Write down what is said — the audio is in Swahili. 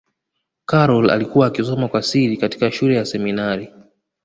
karol alikuwa akisoma kwa siri katika shule ya seminari